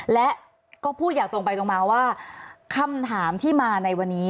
และก็พูดอย่างตรงไปตรงมาว่าคำถามที่มาในวันนี้